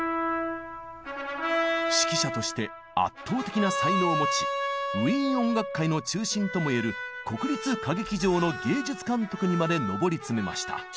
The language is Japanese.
指揮者として圧倒的な才能を持ちウィーン音楽界の中心ともいえる国立歌劇場の芸術監督にまで上り詰めました。